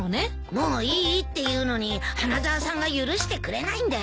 もういいって言うのに花沢さんが許してくれないんだよ。